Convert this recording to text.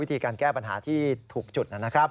การแก้ปัญหาที่ถูกจุดนะครับ